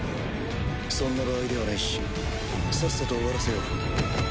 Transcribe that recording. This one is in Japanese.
そんな場合ではないしさっさと終わらせよう。